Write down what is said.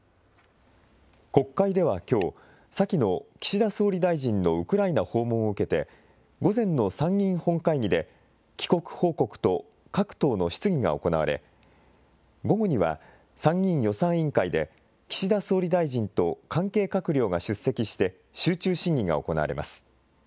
国会ではきょう、先の岸田総理大臣のウクライナ訪問を受けて、午前の参議院本会議で、帰国報告と各党の質疑が行われ、午後には、参議院予算委員会で、岸田総理大臣と関係閣僚が出席して、集中審議が行われます。